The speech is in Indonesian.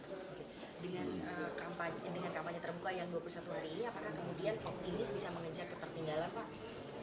dengan kampanye terbuka yang dua puluh satu hari ini apakah kemudian optimis bisa mengejar ketertinggalan pak